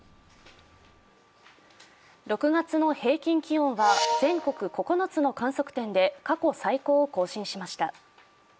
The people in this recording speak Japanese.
６月の平均気温は全国９つの観測点で過去最高を更新しました。